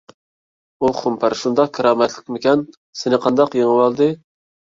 ئۇ خۇمپەر شۇنداق كارامەتلىكمىكەن؟ سېنى قانداق يېڭىۋالدى؟